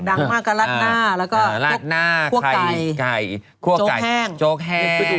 ดังมากก็ลาดหน้าแล้วก็โจ๊กแห้ง